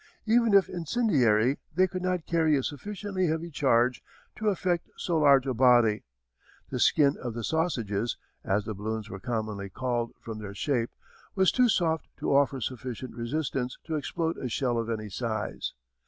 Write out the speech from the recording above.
Even if incendiary they could not carry a sufficiently heavy charge to affect so large a body. The skin of the "sausages," as the balloons were commonly called from their shape, was too soft to offer sufficient resistance to explode a shell of any size.